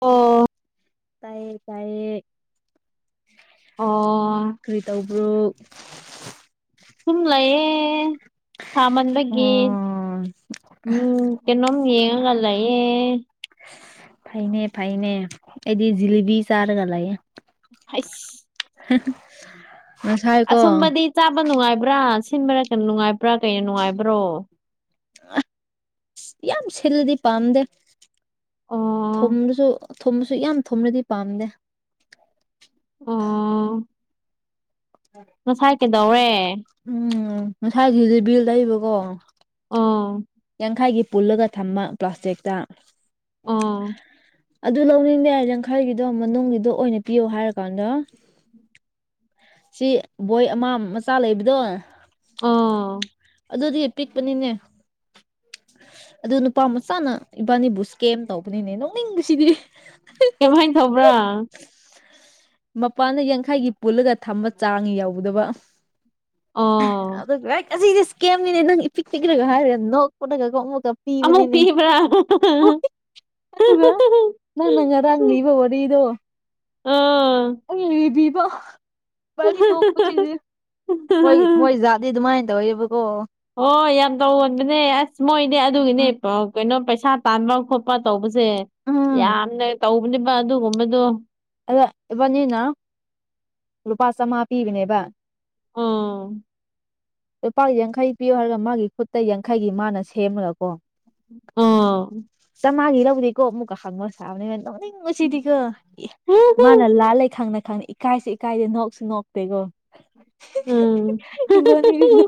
ꯑꯣ ꯇꯌꯦ ꯇꯌꯦ꯫ ꯑꯣ ꯀꯔꯤ ꯇꯧꯕ꯭ꯔꯣ꯫ ꯁꯨꯝꯂꯩꯌꯦ꯫ ꯁꯥꯃꯟꯕꯒꯤ ꯑꯣ ꯎꯝ ꯀꯩꯅꯣꯝ ꯌꯦꯡꯉꯒ ꯂꯩꯌꯦ꯫ ꯐꯥꯏꯅꯦ ꯐꯥꯏꯅꯦ ꯑꯩꯗꯤ ꯖꯤꯂꯤꯕꯤ ꯆꯥꯔꯒ ꯂꯩꯌꯦ꯫ ꯍꯥꯏꯁ꯫ ꯍꯠꯇ ꯑꯁꯨꯝꯕꯗꯤ ꯆꯥꯕ ꯅꯨꯡꯉꯥꯏꯕ꯭ꯔꯥ ꯁꯤꯟꯕꯅ ꯀꯩꯅ ꯅꯨꯡꯉꯥꯏꯕ꯭ꯔꯥ ꯀꯩꯅ ꯅꯨꯡꯉꯥꯏꯕ꯭ꯔꯣ ꯌꯥꯝ ꯁꯤꯜꯂꯗꯤ ꯄꯥꯝꯗꯦ ꯑꯣ ꯊꯨꯝꯅꯁꯨ ꯊꯨꯝꯕꯁꯨ ꯌꯥꯝ ꯊꯨꯝꯅꯗꯤ ꯄꯥꯝꯗꯦ ꯑꯣ ꯎꯝ ꯉꯁꯥꯏ ꯀꯩꯗꯧꯔꯦ ꯎꯝ ꯉꯁꯥꯏꯁꯤꯗꯤ ꯕꯤꯜ ꯂꯩꯏꯕꯀꯣ ꯑ ꯌꯥꯡꯈꯥꯏꯒꯤ ꯄꯨꯜꯂꯒ ꯊꯝꯕ ꯄ꯭ꯂꯥꯁꯇꯤꯛꯇ ꯑꯥ ꯑꯗꯨ ꯂꯧꯅꯤꯡꯕ ꯌꯥꯏ ꯅꯪ ꯈꯔꯒꯤꯗꯣ ꯃꯅꯨꯡꯒꯤꯗꯣ ꯑꯣꯏꯅ ꯄꯤꯌ ꯍꯥꯏꯔꯀꯥꯟꯗ ꯁꯤ ꯕꯣꯏ ꯑꯃ ꯃꯆꯥ ꯂꯩꯕꯗꯣ ꯑꯣ ꯑꯗꯨꯗꯤ ꯄꯤꯛꯄꯅꯤꯅꯦ ꯑꯗꯨ ꯅꯨꯄꯥ ꯃꯆꯥꯅ ꯏꯕꯥꯅꯤꯕꯨ ꯏꯁꯀꯦꯝ ꯇꯧꯕꯅꯤꯅꯦ ꯅꯣꯛꯅꯤꯡꯕꯁꯤꯗꯤ ꯀꯃꯍꯥꯏꯅ ꯊꯧꯕ꯭ꯔꯥ ꯃꯄꯥꯟꯗ ꯌꯥꯡꯈꯩꯒꯤ ꯄꯨꯜꯂꯒ ꯊꯝꯕ ꯆꯥꯡ ꯌꯧꯗꯕ ꯑꯣ ꯑ ꯚꯥꯏ ꯑꯁꯤꯗꯤ ꯀꯦꯝꯃꯤꯅꯦ ꯅꯪ ꯏꯄꯤꯛ ꯄꯤꯛꯈ꯭ꯔꯒ ꯍꯥꯏꯔꯦ ꯅꯣꯛꯄꯗꯒ ꯑꯃꯨꯛꯀ ꯑꯃꯨꯛ ꯄꯤꯕꯅꯤꯅꯦ ꯄꯤꯕ꯭ꯔꯥ ꯑꯗꯨꯒ ꯅꯪꯅ ꯉꯔꯥꯡꯅꯤꯕ ꯋꯥꯔꯤꯗꯣ ꯑꯣ ꯎꯕꯤꯕꯣ ꯗꯤ ꯇꯣꯛꯄꯁꯤꯗꯤ ꯍꯣꯏ ꯃꯣꯏ ꯖꯥꯠꯗꯤ ꯑꯗꯨꯃꯥꯏꯅ ꯇꯧꯋꯦꯕꯀꯣ ꯍꯣꯏ ꯌꯥꯝ ꯇꯧꯒꯣꯟꯕꯅꯦ ꯑꯁ ꯃꯣꯏꯅꯦ ꯑꯗꯨꯒꯤꯅꯦ ꯎꯝ ꯀꯩꯅꯣ ꯄꯩꯁꯥ ꯇꯥꯟꯕ ꯈꯣꯠꯄ ꯇꯧꯕꯁꯦ ꯎꯝ ꯌꯥꯝꯅ ꯇꯧꯕꯅꯦꯕ ꯑꯗꯨꯒꯨꯝꯕꯗꯣ ꯑꯗ ꯏꯕꯥꯅꯤꯅ ꯂꯨꯄꯥ ꯆꯥꯝꯃꯉꯥ ꯄꯤꯕꯅꯦꯕ ꯑꯥ ꯂꯨꯄꯥ ꯌꯥꯡꯈꯩ ꯄꯤꯌꯣ ꯍꯥꯏꯔꯒ ꯃꯥꯒꯤ ꯈꯨꯠꯇ ꯌꯥꯡꯈꯩꯒꯤ ꯃꯥꯅ ꯁꯦꯝꯃꯒꯀꯣ ꯑꯥ ꯑ ꯃꯥꯒꯤ ꯂꯧꯗꯤꯦꯀꯣ ꯃꯨꯛ ꯈꯪꯕ ꯁꯥꯥꯕꯅꯤ ꯅ ꯂꯧꯅꯤꯡꯉ ꯆꯤꯗꯤꯤꯀ ꯃꯥꯅ ꯂꯥꯜꯂꯦ ꯈꯪꯅ ꯈꯪꯅ ꯏꯀꯥꯏꯁꯤ ꯏꯀꯥꯏꯗꯦ ꯅꯣꯛꯁꯨ ꯅꯣꯛꯇꯦꯀꯣ ꯎꯝ ꯏꯃꯅꯤ ꯅꯣ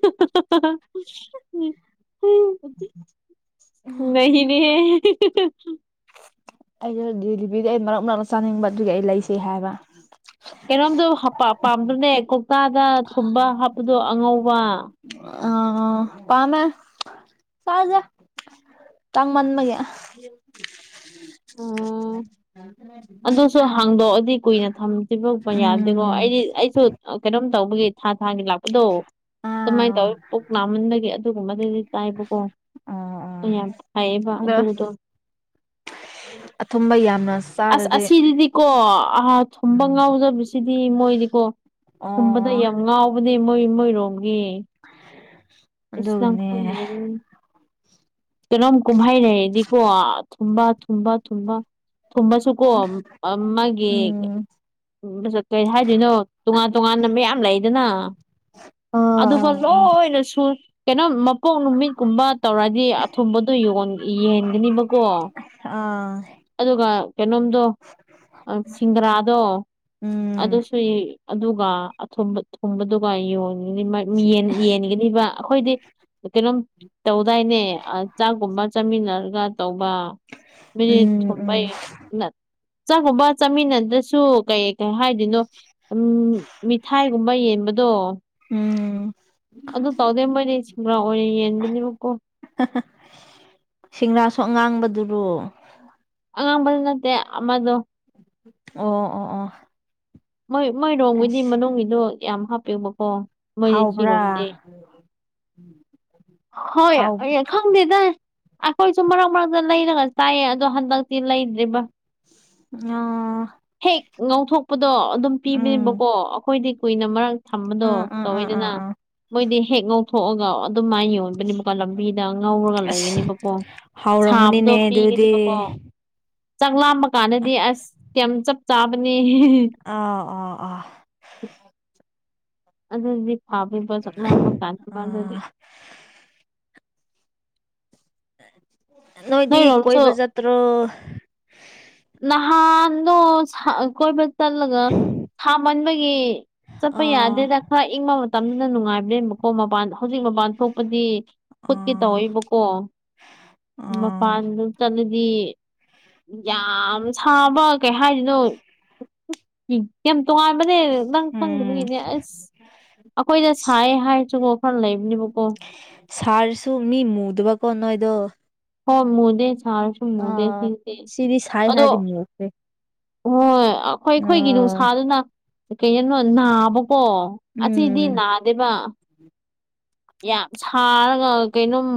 ꯇ ꯇꯛ ꯇꯛ ꯇ ꯅꯅꯦ ꯑꯩꯁ ꯦꯂꯤꯚꯔꯤꯗꯤ ꯑꯩ ꯃꯔꯛ ꯃꯔꯛꯛꯇ ꯆꯥꯅꯤꯡꯕ ꯑꯗꯨꯒꯤ ꯑꯩ ꯂꯩꯁꯦ ꯍꯥꯏꯕ ꯀꯩꯅꯣꯝꯗꯣ ꯄꯥꯝꯗꯅꯦ ꯀꯧꯇꯥꯗ ꯊꯨꯝꯕ ꯍꯥꯞꯄꯗꯣ ꯑꯉꯧꯕ ꯑ ꯄꯅꯦ ꯆꯥꯖ ꯇꯥꯡ ꯃꯟꯕꯒꯦ ꯎꯝ [inaudible] ꯑꯗꯨꯁꯨ ꯍꯥꯡꯗꯣꯛꯑꯗꯤ ꯀꯨꯏꯅ ꯊꯝꯗꯤꯔꯄ ꯌꯥꯗꯦꯀꯣ ꯎꯝ ꯑꯩꯗꯤ ꯑꯩꯁꯨ ꯀꯩꯅꯣꯝ ꯇꯧꯕꯒꯤ ꯊꯥ ꯊꯥꯒꯤ ꯂꯥꯛꯄꯗꯣ ꯑꯗꯨꯃꯥꯏꯅ ꯑꯥ ꯇꯧꯋꯤ ꯄꯨꯛ ꯅꯥꯃꯟꯕꯒꯤ ꯑꯗꯨꯒꯨꯝꯕꯗꯨꯗꯤ ꯇꯥꯏꯕꯀꯣ ꯑꯣ ꯑꯣ ꯌꯥꯝ ꯐꯌꯦꯕ ꯑꯗꯣ ꯑꯗꯨꯗꯣ ꯑꯊꯨꯝꯕ ꯌꯥꯝꯅ ꯑꯁ ꯆꯥꯔꯗꯤ ꯑꯁꯤꯗꯤꯀꯣ ꯊꯨꯝꯕ ꯎꯝ ꯉꯥꯎꯖꯕꯁꯤꯗꯤ ꯃꯣꯏꯗꯤꯀꯣ ꯊꯨꯝꯕꯗ ꯑꯣ ꯌꯥꯝ ꯉꯥꯎ ꯇꯕꯨꯅꯦ ꯃꯣꯏ ꯃꯣꯏꯔꯣꯝꯒꯤ ꯑꯗꯨꯒꯅꯦ ꯅꯪꯈ ꯀꯩꯅꯣꯝ ꯀꯨꯝꯍꯩ ꯂꯩꯗꯤꯀꯣ ꯊꯨꯝꯕ ꯊꯨꯝꯕ ꯊꯨꯝꯕ ꯊꯨꯝꯃꯁꯨꯀꯣ ꯃꯥ ꯎꯝ ꯎ ꯆꯠꯇꯣꯏ ꯍꯥꯏꯗꯣꯏꯅꯣ ꯇꯣꯉꯥꯟ ꯇꯣꯉꯥꯟꯅ ꯃꯌꯥꯝ ꯂꯩꯗꯅ ꯑꯥ ꯑꯗꯨꯒ ꯑꯥ ꯑꯥ ꯂꯣꯏꯅꯁꯨ ꯀꯩꯅꯣ ꯃꯄꯣꯛ ꯅꯨꯃꯤꯠꯀꯨꯝꯕ ꯇꯧꯔꯗꯤ ꯑꯊꯨꯝꯕꯗꯣ ꯌꯦꯍꯟꯒꯅꯤꯕꯀꯣ ꯑꯥ ꯑꯗꯨꯒ ꯀꯩꯅꯣꯝꯗꯣ ꯁꯤꯡꯗ꯭ꯔꯥꯗꯣ ꯎꯝ ꯑꯗꯨꯁꯨ ꯑꯗꯨꯒ ꯊꯨꯝꯕꯗꯨꯒ ꯌꯣꯜꯂꯤ ꯌꯦꯟꯒꯅꯤꯕ ꯑꯩꯈꯣꯏꯗꯤ ꯀꯩꯅꯣꯝ ꯇꯧꯗꯥꯏꯅꯦ ꯆꯥꯛꯀꯨꯝꯕ ꯆꯥꯃꯤꯟꯅꯔꯒ ꯇꯧꯕ ꯃꯤꯅꯤꯠ ꯎꯝ ꯊꯨꯝꯕꯩ ꯎꯝ ꯆꯥꯛꯀꯕ ꯆꯥꯃꯤꯟꯅꯗ꯭ꯔꯁꯨ ꯀꯩ ꯀꯩ ꯍꯥꯏ ꯀꯅꯣ ꯎꯝ ꯃꯤꯊꯥꯏꯒꯨꯝꯕ ꯌꯦꯟꯕꯗꯣ ꯎꯝ ꯑꯗꯨ ꯇꯧꯗꯕꯅꯤ ꯁꯤ꯭ꯔꯥ ꯑꯣꯏ ꯌꯦꯟꯒꯅꯤꯀꯣ ꯁꯤꯡꯔꯥꯁꯨ ꯑ ꯉꯥꯡꯕꯗꯨꯔꯣ ꯑꯉꯥꯡꯕꯗꯨ ꯅꯠꯇꯦ ꯑꯃꯗꯣ ꯑꯣ ꯑꯣ ꯑꯣ ꯃꯣꯏ ꯃꯣꯏꯔꯣꯡꯒꯤꯗꯤ ꯑꯁ ꯃꯅꯨꯡꯒꯤꯗꯣ ꯌꯥꯝ ꯍꯥꯞꯄꯤꯕꯀꯣ ꯍꯥꯎꯕ꯭ꯔꯥ ꯍꯣꯏ ꯍꯥꯎ ꯌꯥ ꯈꯪꯗꯦꯗ ꯑꯩꯈꯣꯏꯁꯨ ꯃꯔꯛ ꯃꯔꯛꯇ ꯂꯩꯔꯒ ꯆꯥꯏꯌꯦ ꯑꯗꯣ ꯍꯟꯗꯛꯇꯤ ꯂꯩꯗ꯭ꯔꯤꯕ ꯅꯪ ꯍꯦꯛ ꯉꯧꯊꯣꯛꯄꯗꯣ ꯑꯗꯨꯝ ꯎꯝ ꯄꯤꯕꯅꯦꯕꯀꯣ ꯑꯩꯈꯣꯏꯗꯤ ꯀꯨꯏꯅ ꯃꯔꯛ ꯎꯝ ꯊꯝꯕꯗꯣ ꯎꯝ ꯎꯝ ꯇꯧꯋꯤꯗꯅ ꯎꯝ ꯎꯝ ꯃꯣꯏꯗꯤ ꯍꯦꯛ ꯉꯧꯊꯣꯛꯑꯒ ꯑꯗꯨꯝ ꯃꯥꯏ ꯌꫭ ꯕꯅꯤꯕꯀꯣ ꯂꯝꯕꯤꯗ ꯉꯧꯔꯒ ꯑꯁ ꯂꯩꯒꯅꯤꯕꯀꯣ ꯁꯥꯕꯗꯣ ꯍꯥꯎꯔꯝꯒꯅꯤꯅꯦ ꯑꯗꯨꯗꯤ ꯄꯤꯒꯅꯦꯕꯀꯣ ꯆꯪꯂꯥꯝꯕ ꯀꯥꯟꯗꯗꯤ ꯑꯁ ꯀꯌꯥꯝ ꯆꯞ ꯆꯥꯕꯅꯤ ꯑ ꯑꯣ ꯑ ꯑꯗꯨꯗꯤ ꯐꯥꯕꯤꯕ ꯆꯥꯛꯅꯥ ꯑꯃ ꯀꯥꯟꯗ ꯃꯗꯗꯤ ꯑꯥ ꯅꯣꯏꯗꯤ ꯅꯣꯏꯔꯣꯝꯁꯨ ꯀꯣꯏꯕ ꯆꯠꯇ꯭ꯔꯣ ꯅꯍꯥꯟꯗꯣ ꯀꯣꯏꯕ ꯆꯠꯂꯒ ꯁꯥꯃꯟꯕꯒꯤ ꯆꯠꯄ ꯑꯥ ꯌꯥꯗꯦꯗ ꯈꯔ ꯏꯪꯕ ꯃꯇꯝꯗꯨꯅ ꯅꯨꯡꯉꯥꯏꯕ ꯂꯩꯕꯀꯣ ꯃꯄꯥꯟ ꯍꯧꯖꯤꯛ ꯃꯄꯥꯟ ꯊꯣꯛꯄꯗꯤ ꯈꯨꯠꯀꯦ ꯑꯥ ꯇꯧꯏꯕꯀꯣ ꯑꯥ ꯃꯄꯥꯟꯗ ꯆꯠꯂꯗꯤ ꯌꯥꯝ ꯁꯥꯕ ꯀꯩ ꯍꯥꯏꯗꯣꯢꯅꯣ ꯎ ꯌꯥꯝ ꯇꯣꯉꯥꯟꯕꯅꯦ ꯅꯪ ꯎꯝ ꯈꯪꯗꯕꯒꯤꯅꯦ ꯑꯁ ꯑꯩꯈꯣꯏꯗ ꯁꯥꯏ ꯍꯥꯏꯁꯨꯒꯣ ꯈꯔ ꯂꯩꯕꯅꯦꯕꯀꯣ ꯁꯥꯔꯁꯨ ꯃꯤ ꯃꯨꯗꯕ ꯀꯣ ꯅꯣꯏꯗꯣ ꯍꯣꯏ ꯃꯨꯗꯦ ꯁꯥꯔꯁꯨ ꯃꯨꯗ‌ꯦ ꯑꯥ ꯁꯤꯡꯗꯤ ꯁꯤꯗꯤ ꯁꯥꯏ ꯑꯗꯣ ꯍꯥꯏꯔꯗꯤ ꯃꯨꯈ꯭ꯔꯦ ꯍꯣꯏ ꯑꯩꯈꯣꯏ ꯑꯩꯈꯣꯏꯒꯤ ꯑꯥ ꯅꯨꯡꯁꯥꯗꯨꯅ ꯀꯩꯅꯣ ꯅꯥꯕꯀꯣ ꯑꯁꯤꯗꯤ ꯎꯝ ꯅꯥ ꯗ‌ꯦꯕ ꯌꯥꯝ ꯁꯥꯔꯒ ꯀꯩꯅꯣꯝ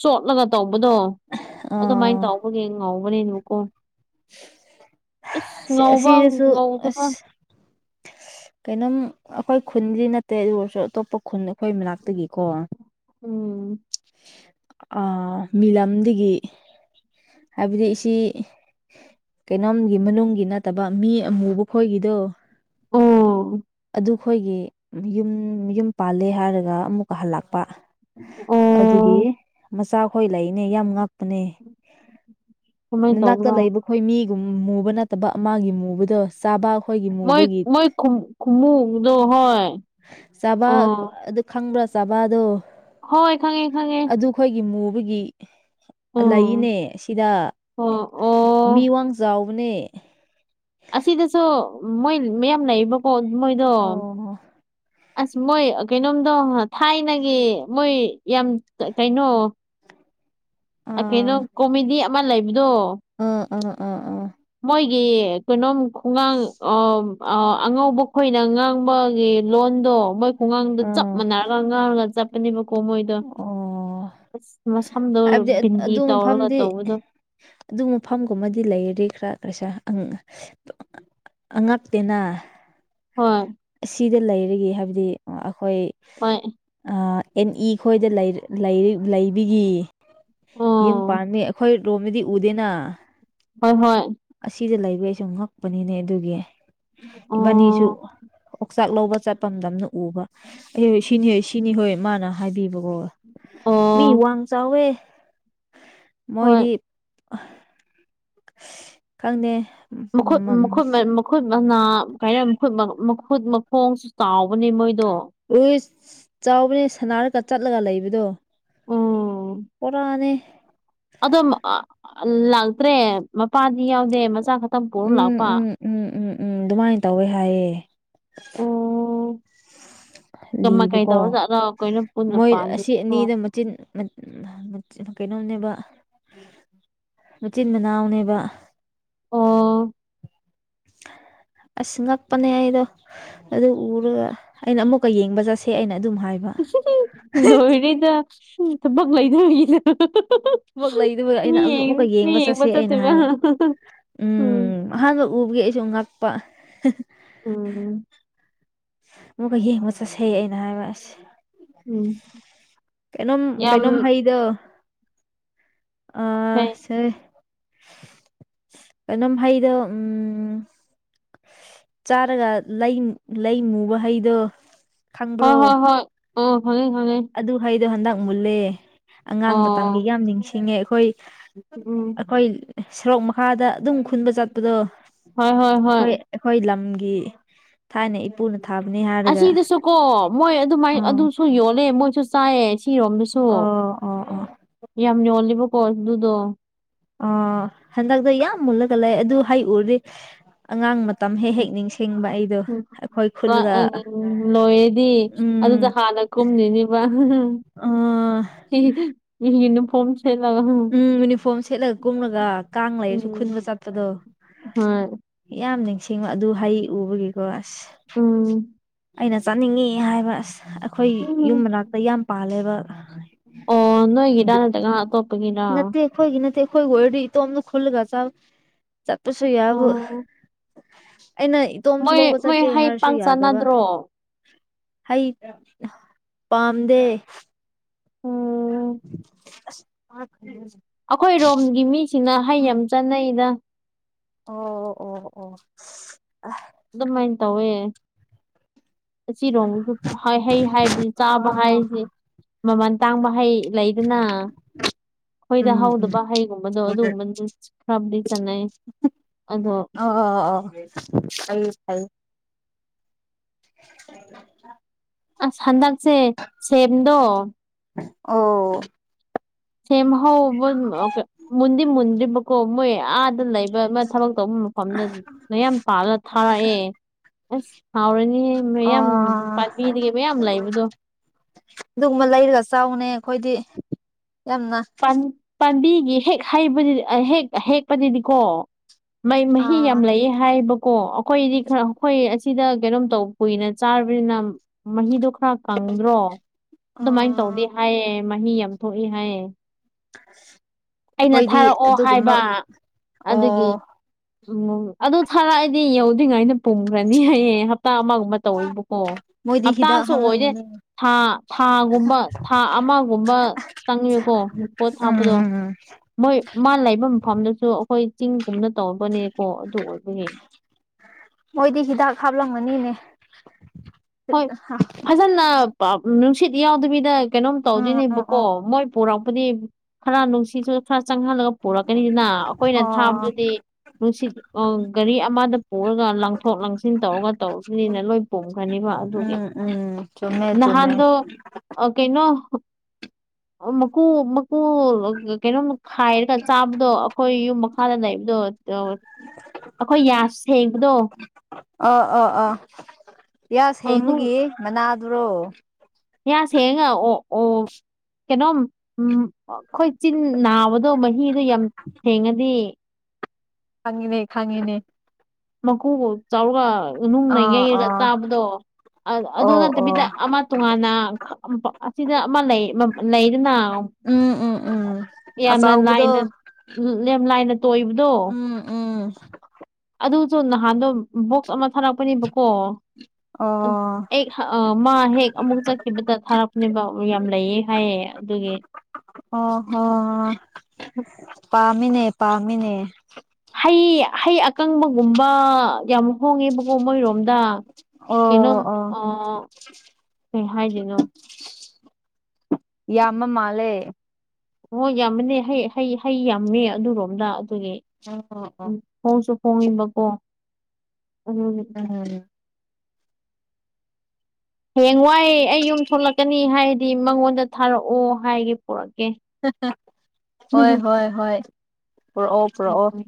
ꯆꯣꯠ ꯆꯠꯂꯒ ꯇꯧꯕꯗꯣ ꯑꯗꯨꯃꯥꯏꯅ ꯑꯥ ꯇꯧꯕꯒꯤ ꯉꯥꯎꯕꯅꯦꯕꯀꯣ ꯏꯁ ꯉꯥꯎꯕ ꯑꯁꯤꯗꯁꯨ ꯉꯧꯗꯕ ꯑꯁ ꯀꯩꯅꯣꯝ ꯑꯩꯈꯣꯏ ꯈꯨꯟꯗꯤ ꯅꯠꯇꯦ ꯑꯗꯨ ꯑꯣꯏꯔꯁꯨ ꯑꯇꯣꯞꯄ ꯈꯨꯟ ꯑꯩꯈꯣꯏ ꯃꯅꯥꯛꯇꯒꯤꯀꯣ ꯎꯝ ꯃꯤꯂꯝꯗꯒꯤ ꯍꯥꯏꯕꯗꯤ ꯑꯁꯤ ꯀꯩꯅꯣꯝꯒꯤ ꯃꯅꯨꯡꯒꯤ ꯅꯠꯇꯕ ꯃꯤ ꯑꯃꯨꯕ ꯈꫭꯏꯒꯤꯗꯣ ꯑꯣ ꯑꯗꯨꯈꯣꯏꯒꯤ ꯌꯨꯝ ꯌꯨꯝ ꯄꯥꯜꯂꯦ ꯍꯥꯏꯔꯒ ꯑꯃꯨꯛꯀ ꯍꯜꯂꯛꯄ ꯑꯣ ꯑꯗꯨꯒꯤ ꯃꯆꯥꯈꯣꯏ ꯂꯩꯅꯦ ꯌꯥꯝ ꯉꯥꯛꯄꯅꯦ ꯀꯃꯥꯏꯅ ꯃꯅꯥꯛꯇ ꯇꯧꯕ꯭ꯔꯥ ꯂꯩꯕ ꯑꯩꯈꯣꯏ ꯃꯤꯒꯨꯝ ꯃꯨꯕ ꯅꯠꯇꯕ ꯑꯃꯒꯤꯒꯤ ꯃꯨꯕꯗꯣ ꯆꯥꯕ ꯑꯩꯈꯣꯏꯒꯤ ꯃꯣꯏ ꯃꯨꯕꯒꯤ ꯃꯣꯏ ꯈꯨꯃꯨꯗꯣ ꯍꯣꯏ ꯆꯥꯚ ꯑꯥ ꯑꯗꯨ ꯈꯪꯕ꯭ꯔꯥ ꯆꯥꯕꯥꯗꯣ ꯍꯣꯏ ꯈꯪꯉꯦ ꯈꯪꯉꯦ ꯑꯗꯨ ꯈꯣꯏꯒꯤ ꯃꯨꯕꯒꯤ ꯑꯥ ꯂꯩꯅꯦ ꯁꯤꯗ ꯑꯣ ꯃꯤ ꯑꯣ ꯋꯥꯡ ꯆꯥꯎꯕꯅꯦ ꯑꯁꯤꯗꯁꯨ ꯃꯣꯏ ꯃꯌꯥꯝ ꯂꯩꯕꯀꯣ ꯃꯣꯏꯗꯣ ꯑꯣ ꯑꯁ ꯃꯣꯏ ꯀꯩꯅꯣꯝꯗꯣ ꯊꯥꯏꯅꯒꯤ ꯃꯣꯏ ꯌꯥꯝ ꯀꯩꯅꯣ ꯀꯩꯅꯣ ꯑꯥ ꯀꯣꯃꯦꯗꯤ ꯑꯃ ꯂꯩꯕꯗꯣ ꯑꯥ ꯑꯥ ꯑꯥ ꯑꯥ ꯃꯣꯏꯒꯤ ꯀꯩꯅꯣꯝ ꯈꯨꯉꯥꯡ ꯑꯉꯧꯕ ꯈꯣꯏꯅ ꯉꯥꯡꯕꯒꯤ ꯂꯣꯟꯗꯣ ꯃꯣꯏ ꯈꯨꯡꯉꯥꯡꯗ ꯆꯞ ꯑꯥ ꯃꯥꯟꯅꯔꯒ ꯉꯥꯡꯉꯒ ꯆꯞ ꯆꯠꯄꯅꯦꯕꯀꯣ ꯃꯣꯏꯗꯣ ꯑꯣ ꯑꯁ ꯃꯁꯝꯗꯣ ꯍꯥꯏꯕꯗꯤ ꯑ- ꯚꯤꯟꯗꯤ ꯑꯗꯨ ꯇꯧꯔꯒ ꯃꯐꯝꯗꯤ ꯇꯧꯕꯗꯣ ꯑꯗꯨ ꯃꯐꯝꯒꯨꯝꯕꯗꯤ ꯂꯩꯔꯗꯤ ꯈꯔ ꯀꯩꯁꯥ ꯑꯉꯛꯇꯦꯅ ꯍꯣꯏ ꯑꯁꯤꯗ ꯂꯩꯔꯤꯒꯤ ꯍꯥꯏꯕꯗꯤ ꯑꯩꯈꯣꯏ ꯍꯣꯏ ꯑꯦꯟ ꯏ ꯈꯣꯏꯗ ꯂꯩꯕꯤꯒꯤ ꯌꯨꯝ ꯑꯣ ꯄꯥꯝꯃꯤ ꯑꯩꯈꯣꯏ ꯔꯣꯝꯗꯗꯤ ꯎꯗꯦꯅ ꯍꯣꯏ ꯍꯣꯏ ꯑꯁꯤꯗ ꯂꯩꯕ ꯑꯩꯁꯨ ꯉꯛꯄꯅꯤꯅꯦ ꯑꯗꯨꯒꯤ ꯏꯕꯥꯅꯤꯁꯨ ꯑꯣ ꯑꯣꯛꯆꯥꯛ ꯂꯧꯕ ꯆꯠꯄ ꯃꯇꯝꯗ ꯎꯕ ꯑꯩ ꯁꯤꯅꯤ ꯍꯣꯏ ꯁꯤꯅꯤ ꯍꯣꯏ ꯃꯥꯅ ꯍꯥꯏꯕꯤꯕꯀꯣ ꯃꯤ ꯑꯣ ꯋꯥꯡ ꯆꯥꯎꯋꯦ ꯍꯣꯏ ꯃꯣꯏꯗꯤ ꯈꯪꯗꯦ [inaudible] ꯈꯨꯨꯠ ꯃꯅꯥ ꯀꯠ ꯃꯈꯨꯠ ꯃꯈꯣꯡꯁꯨ ꯆꯥꯎꯕꯅꯦ ꯃꯣꯏꯗꯣ ꯎꯨꯏ ꯆꯥꯎꯕꯅꯦ ꯁꯅꯥꯔꯒ ꯆꯠꯂꯒ ꯂꯩꯕꯗꯣ ꯎꯝ ꯄꯨꯔꯥꯅꯦ ꯑꯗꯣ ꯑ ꯂꯥꯛꯇ꯭ꯔꯦ ꯃꯄꯥꯗꯤ ꯌꯥꯎꯗꯦ ꯃꯆꯥ ꯈꯛꯇ ꯎꯝ ꯎꯝ ꯎꯝ ꯎꯝ ꯎꯝ ꯑꯗꯨꯃꯥꯏꯅ ꯇꯧꯋꯦ ꯍꯥꯏꯑꯦ ꯑꯣ ꯀꯃ ꯀꯩ ꯂꯤꯕꯀꯣ ꯇꯧꯔꯖꯥꯠꯂꯣ ꯑꯩꯈꯣꯏꯅ ꯄꯨꯟꯅ ꯃꯣꯏ ꯑꯁꯤ ꯄꯥꯟꯁꯤꯕꯣ ꯑꯅꯤꯗ [unintelligible] ꯀꯩꯅꯣꯝꯅꯦꯕ ꯃꯆꯤꯟ ꯃꯅꯥꯎꯅꯦꯕ ꯑꯣ ꯑꯁ ꯉꯛꯄꯅꯦ ꯑꯩꯗꯣ ꯑꯗꯨ ꯎꯔꯒ ꯑꯩꯅ ꯑꯃꯨꯛꯀ ꯌꯦꯡꯕ ꯆꯠꯁꯦ ꯑꯩꯅ ꯑꯗꯨꯝ ꯍꯥꯏꯕ ꯂꯣꯏꯔꯦꯗ ꯊꯕꯛ ꯂꯩꯗꯕꯒꯤꯗ [unintelligible] ꯊꯕꯛ ꯂꯩꯗꯕ ꯑꯩꯅ ꯃꯤ ꯑꯃꯨꯛꯀ ꯃꯤ ꯌꯦꯡꯕ ꯆꯠꯁꯦ ꯑꯩꯅ ꯆꯠꯇꯣꯏꯕ ꯍꯥꯏꯕ ꯎꯝ ꯑꯍꯥꯟꯕ ꯎꯕꯒꯤ ꯑꯩꯁꯨ ꯉꯛꯄ ꯎꯝ ꯑꯃꯒ ꯌꯦꯡꯕ ꯆꯠꯁꯩ ꯑꯩꯅ ꯍꯥꯏꯕ ꯑꯁ ꯎꯝ ꯀꯩꯅꯣꯝ ꯌꯥꯝ ꯀꯩꯅꯣꯝ ꯍꯩꯗ ꯑ ꯐꯩ ꯁꯦ ꯀꯩꯅꯣꯝ ꯍꯩꯗꯣ ꯎꯝ ꯆꯥꯔꯒ ꯂꯩ ꯂꯩ ꯃꯨꯕ ꯍꯩꯗꯣ ꯍꯣꯏ ꯍꯣꯏ ꯈꯪꯕ꯭ꯔꯣ ꯍꯣꯏ ꯑꯣ ꯈꯉꯦ ꯈꯉꯦ ꯑꯗꯨ ꯍꯩꯗꯣ ꯍꯟꯗꯛ ꯃꯨꯜꯂꯦ ꯑꯉꯥꯡ ꯃꯇꯝꯒꯤ ꯑꯣ ꯌꯥꯝ ꯅꯤꯡꯁꯤꯡꯉꯦ ꯑꯩꯈꯣꯏ ꯎꯝ ꯑꯩꯈꯣꯏ ꯁꯣꯔꯣꯛ ꯃꯈꯥꯗ ꯑꯗꯨꯝ ꯈꯨꯟꯕ ꯆꯠꯄꯗꯣ ꯍꯣꯏ ꯍꯣꯏ ꯍꯣꯏ ꯑꯈꯣꯏ ꯂꯝꯒꯤ ꯊꯥꯏꯅ ꯏꯄꯨꯅ ꯊꯥꯕꯅꯤ ꯍꯥꯏ ꯑꯁꯤꯗꯁꯨ ꯀꯣ ꯃꯣꯏ ꯑꯗꯨꯃꯥꯏ ꯑꯗꯨꯁꯨ ꯌꯣꯜꯂꯦ ꯃꯣꯏꯁꯨ ꯆꯥꯏꯌꯦ ꯁꯤꯔꯣꯝꯗꯁꯨ ꯑꯣ ꯑꯣ ꯑꯣ ꯌꯥꯝ ꯌꯣꯂꯦꯕꯀꯣ ꯑꯗꯨꯗꯣ ꯑ ꯍꯟꯗꯛꯇꯣ ꯌꯥꯝ ꯃꯨꯜꯂꯒ ꯂꯩ ꯑꯗꯨ ꯍꯥꯏ ꯎꯔꯥꯗꯤ ꯑꯉꯥꯡ ꯃꯇꯝ ꯍꯦꯛ ꯍꯦꯛ ꯅꯤꯡꯁꯤꯡꯕ ꯑꯩꯗꯣ ꯑꯩꯈꯣꯏ ꯈꯨꯜꯒ ꯂꯣꯏꯔꯗꯤ ꯑꯗꯨꯗ ꯍꯥꯟꯅ ꯀꯨꯝꯅꯤꯅꯦꯕ ꯑ ꯌꯨꯅꯤ ꯐꯝꯣ ꯍꯦꯛꯂꯒ [inaudible] ꯎꯝ ꯌꯨꯅꯤꯐꯣꯝ ꯁꯦꯠꯂꯒ ꯀꯨꯝꯂꯒ ꯀꯥꯡ ꯂꯩꯔꯁꯨ ꯎꯝ ꯈꯨꯟꯕ ꯆꯠꯄꯗꯣ ꯍꯣꯏ ꯌꯥꯝ ꯅꯤꯡꯁꯤꯡꯕ ꯑꯗꯨ ꯍꯩ ꯎꯕꯒꯤꯀꯣ ꯑꯁ ꯎꯝ ꯑꯩꯅ ꯆꯠꯅꯤꯡꯉꯤ ꯍꯥꯏꯕ ꯑꯁ ꯑꯩꯈꯣꯏ ꯎꯝ ꯌꯨꯝ ꯃꯅꯥꯛꯇ ꯌꯥꯝ ꯄꯥꯜꯂꯦꯕ ꯑꯣ ꯅꯣꯏꯒꯗꯅꯠ [inaudible] ꯅꯠꯇꯦ ꯈꯣꯏꯒꯤ ꯅꯠꯇ ꯈꯣꯏ ꯑꯣꯏꯔꯗꯤ ꯏꯇꯣꯝꯗ ꯈꯣꯜꯂꯒ ꯆ ꯆꯠꯄꯁꯨ ꯌꯥꯕꯨ ꯑꯣ ꯑꯩꯅ ꯏꯇꯣꯝꯁꯨ ꯃꯣꯏ ꯂꯧꯕ ꯃꯣꯏ ꯆꯠꯀꯦ ꯍꯩ ꯍꯥꯏꯔꯁꯨ ꯄꯥꯡ ꯌꯥꯗꯕ ꯆꯥꯟꯅꯗ꯭ꯔꯣ ꯍꯩ ꯄꯥꯝꯗ ꯎꯝ [inaudible] ꯑꯩꯈꯣꯏ ꯔꯣꯝꯒꯤ ꯃꯤꯁꯤꯅ ꯍꯩ ꯌꯥꯝ ꯎꯝ ꯆꯠꯅꯩꯗ ꯑꯣ ꯑꯣ ꯑꯣ ꯑꯣ ꯑ ꯑꯗꯨꯃꯥꯏꯅ ꯇꯧꯋꯦ ꯑꯁꯤꯔꯣꯝꯁꯨ ꯍꯩ ꯍꯥꯏꯕꯁꯤ ꯆꯥꯕ ꯑꯣ ꯍꯥꯏꯁꯦ ꯃꯃꯜ ꯇꯥꯡꯕ ꯍꯩ ꯂꯩꯗꯅ ꯑꯩꯈꯣꯏꯗ ꯎꯝ ꯎꯝ ꯍꯧꯗꯕ ꯍꯩꯒꯨꯝꯕꯗꯣ ꯑꯗꯨꯒꯨꯝꯕꯅ ꯈꯔꯕꯨꯗꯤ ꯆꯠꯅꯩ ꯑꯗꯣ ꯑꯣ ꯑꯣ ꯑꯣ ꯑꯩ ꯐꯩ [inaudible] ꯑꯁ ꯍꯟꯗꯛꯁꯦ ꯁꯦꯝꯗꯣ ꯑꯣ ꯁꯦꯝꯍꯧꯕ ꯃꯨꯟꯗꯤ ꯃꯨꯟꯗ꯭ꯔꯤꯕꯀꯣ ꯃꯣꯏ ꯑꯥꯗ ꯂꯩꯕ ꯑꯃ ꯊꯕꯛ ꯑꯇꯣꯞꯄ ꯃꯐꯝꯗ ꯃꯌꯥꯝ ꯄꯥꯜꯂ ꯊꯥꯔꯛꯑꯦ ꯑꯁ ꯍꯥꯎꯔꯅꯤꯍ ꯃꯌꯥꯝ ꯑꯣ ꯄꯥꯝꯕꯤꯗꯒꯤ ꯃꯌꯥꯝ ꯂꯩꯕꯗꯣ ꯑꯗꯨꯒꯨꯝꯕ ꯂꯩꯔꯒ ꯆꯥꯎꯅꯤ ꯑꯩꯈꯣꯏꯗꯤ ꯌꯥꯝꯅ ꯄꯥꯟꯕꯤꯒꯤ ꯍꯦꯛ ꯍꯩꯕ ꯍꯦꯛ ꯍꯦꯛꯄꯗꯨꯅꯤꯀꯣ ꯃꯩ ꯃꯍꯤ ꯌꯥꯝ ꯑꯥ ꯂꯩꯌꯦ ꯍꯥꯏꯕ ꯀꯣ ꯑꯩꯈꯣꯏꯗꯤ ꯈꯔ ꯑꯩꯈꯣꯏ ꯑꯁꯤꯗ ꯀꯩꯅꯣꯝ ꯇꯧ ꯀꯨꯏꯅ ꯆꯥꯔꯕꯅꯤꯅ ꯃꯍꯤꯗꯣ ꯈꯔ ꯀꯪꯗ꯭ꯔꯣ ꯑꯗꯨꯃꯥꯏꯅ ꯇꯧꯗꯦ ꯑꯩꯈꯣꯏꯗꯤ ꯍꯥꯏꯌꯦ ꯃꯍꯤ ꯌꯥꯝ ꯊꯣꯛꯏ ꯍꯥꯏꯌꯦ [unintelligible] ꯑꯩꯅ ꯊꯥꯔꯛꯑꯣ ꯑꯗꯨꯒꯨꯝꯕ ꯍꯥꯏꯕ ꯑꯗꯨꯒꯤ ꯑꯣ ꯎꯝ ꯑꯗꯨ ꯊꯥꯔꯛꯑꯗꯤ ꯌꯧꯗ꯭ꯔꯉꯥꯏꯗ ꯄꯨꯡꯈ꯭ꯔꯅꯤ ꯍꯥꯏꯌꯦꯡ ꯍꯞꯇꯥ ꯑꯃꯒꯨꯝꯕ ꯇꯧꯕꯀꯣ ꯃꯣꯏꯗꯤ ꯍꯤꯗꯥꯛ ꯍꯞꯇꯥꯁꯨ ꯑꯣꯏꯔꯦ ꯍꯥꯞꯂꯝꯒꯅꯤ ꯊꯥ ꯊꯥꯒꯨꯝꯕ ꯊꯥ ꯑꯃꯒꯨꯝꯕ ꯆꯪꯉꯦꯕꯀꯣ ꯄꯣꯠ ꯊꯥꯕꯗꯣ ꯎꯝ ꯃꯣꯏ ꯃꯥ ꯂꯩꯕ ꯃꯐꯝꯗꯨꯁꯨ ꯍꯣꯏ ꯆꯤꯡꯒꯨꯝꯅ ꯇꯧꯔꯕꯅꯦꯀꯣ ꯑꯗꯨ ꯑꯣꯏꯕꯒꯤ ꯃꯣꯏꯗꯤ ꯍꯤꯗꯥꯛ ꯍꯥꯞꯂꯝꯒꯅꯤꯅꯦ ꯍꯣꯏ ꯐꯖꯅ ꯅꯨꯡꯁꯤꯠ ꯌꯥꯎꯗꯕꯤꯗ ꯀꯩꯅꯣꯝ ꯎꯝ ꯎꯝ ꯇꯧꯗꯣꯏꯅꯦꯕꯀꯣ ꯎꯝ ꯃꯣꯏ ꯄꯨꯔꯛꯄꯗꯤ ꯈꯔ ꯅꯨꯡꯁꯤꯁꯨ ꯈꯔ ꯆꯪꯍꯜꯂꯒ ꯄꯨꯔꯛꯀꯅꯤꯅ ꯑꯩꯈꯣꯏꯅ ꯑꯣ ꯊꯥꯕꯗꯨꯗꯤ ꯅꯨꯡꯁꯤꯠ ꯑꯣ ꯒꯥꯔꯤ ꯑꯃꯗ ꯄꯨꯔꯒ ꯂꯪꯊꯣꯛ ꯂꯥꯡꯁꯤꯟ ꯇꯧꯔꯒ ꯇꯧꯔꯕꯅꯤꯅ ꯂꯣꯏ ꯄꯨꯝꯒꯅꯤꯕ ꯎꯝ ꯎꯝ ꯆꯨꯝꯃꯦ ꯆꯨꯝꯃꯦ ꯑꯥ ꯀꯩꯅꯣ ꯃꯀꯨ ꯃꯀꯨ ꯀꯩꯅꯣꯝꯃ ꯍꯥꯏꯔꯒ ꯆꯥꯕꯗꯣ ꯑꯩꯈꯣꯏ ꯌꯨꯝ ꯃꯈꯥꯗ ꯂꯩꯕꯗꯣ ꯑꯩꯈꯣꯏ ꯌꯥ ꯁꯦꯡꯕꯗꯣ ꯑꯥ-ꯑꯥ-ꯑꯥ ꯌꯥ ꯑꯗꯨ ꯁꯦꯡꯕꯒꯤ ꯃꯥꯅꯥ ꯗꯨꯔꯣ ꯌꯥꯁꯦꯡꯉꯥ ꯑꯣ-ꯑꯣ ꯀꯩꯅꯣꯝ ꯎꯝ ꯑꯥ ꯑꯩꯈꯣꯏ ꯆꯤꯟ ꯅꯥꯕꯗꯣ ꯑꯗꯣ ꯃꯍꯤꯗꯣ ꯌꯥꯝ ꯊꯦꯡꯉꯥꯗꯤ ꯈꯪꯉꯤꯅꯦ-ꯈꯪꯉꯤꯅꯦ ꯃꯀꯨꯒꯥ ꯆꯧꯔꯒ ꯅꯨꯡꯅ ꯑꯥ ꯌꯩꯔꯒ ꯑꯥ ꯆꯥꯕꯗꯣ ꯑꯥ ꯑꯗꯨ ꯑꯣ ꯑꯣ ꯅꯠꯇꯕꯤꯗ ꯑꯃ ꯇꯣꯉꯥꯟꯅ ꯈꯥ ꯄꯥ ꯑꯁꯤꯗ ꯑꯃ ꯂꯩꯌꯦꯕ ꯂꯩꯗꯅ ꯎꯝ ꯎꯝ ꯎꯝ ꯌꯥꯝꯅ ꯑꯆꯥꯎꯕꯗꯣ ꯂꯥꯏꯅ ꯎꯝ ꯂꯦꯝ ꯂꯥꯏꯅ ꯇꯣꯏꯕꯗꯣ ꯎꯝ-ꯎꯝ ꯑꯗꯨꯁꯨ ꯅꯍꯥꯟꯗꯣ ꯕꯣꯛꯁ ꯑꯃ ꯊꯥꯔꯛꯄꯅꯤꯕꯀꯣ ꯑꯣ ꯑꯦꯛ ꯃꯥ ꯍꯦꯛ ꯑꯃꯨꯛ ꯆꯠꯈꯤꯕꯗ ꯊꯥꯔꯛꯄꯅꯦꯕ ꯌꯥꯝ ꯂꯩꯌꯦ ꯍꯥꯏꯌꯦ ꯑꯗꯨꯒꯤ ꯑꯣ ꯍꯣ ꯄꯥꯝꯃꯦꯅꯦ-ꯄꯥꯝꯃꯦꯅꯦ ꯍꯩ -ꯍꯩ ꯑꯀꯪꯕꯒꯨꯝꯕ ꯌꯥꯝ ꯍꯣꯡꯉꯦꯕꯀꯣ ꯃꯣꯏꯔꯣꯝꯗ ꯀꯩꯅꯣꯝ ꯑꯣ ꯍꯥꯏꯗꯨꯏꯅꯣ ꯌꯥꯝꯃꯥ ꯃꯥꯜꯂꯦ ꯍꯣꯏ ꯌꯥꯝꯕꯅꯦ ꯍꯩ- ꯍꯩ- ꯍꯩ ꯌꯥꯝꯃꯦ ꯑꯗꯨꯔꯣꯝꯗ ꯑꯗꯨꯒꯤ [unintelligible] ꯑꯣ ꯑꯣ ꯑꯣ ꯍꫭꯡꯁꯨ ꯍꫭꯡꯉꯤꯕꯀꯣ ꯑꯗꯨꯒꯤ [unintelligible] ꯍꯌꯦꯡꯋꯥꯏ ꯑꯩ ꯌꯨꯝ ꯊꯣꯛꯂꯛꯀꯅꯤ ꯍꯥꯏꯔꯤꯗꯤ ꯃꯉꯣꯟꯗ ꯊꯥꯔꯛꯑꯣ ꯍꯥꯏꯒꯦ ꯄꯨꯔꯛꯀꯦ ꯎꯝ ꯍꯣꯏ-ꯍꯣꯏ-ꯍꯣꯏ ꯄꯨꯔꯛꯑꯣ-ꯄꯨꯔꯛꯑꯣ ꯎꯝ